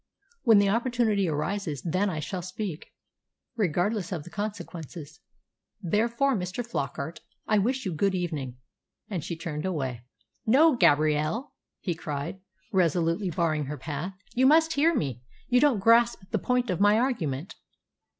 When the opportunity arises, then I shall speak, regardless of the consequences. Therefore, Mr. Flockart, I wish you good evening;" and she turned away. "No, Gabrielle," he cried, resolutely barring her path. "You must hear me. You don't grasp the point of my argument."